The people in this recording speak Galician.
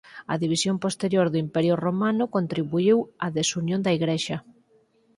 A división posterior do Imperio romano contribuíu á desunión da Igrexa.